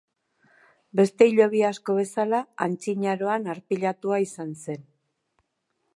Beste hilobi asko bezala, antzinaroan arpilatua izan zen.